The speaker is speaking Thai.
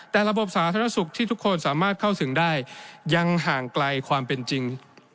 แต่ระบบสาธารณสุขที่ทุกคนสามารถเข้าถึงได้ยังห่างไกลความเป็นจริง